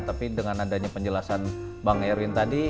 tapi dengan adanya penjelasan bang erwin tadi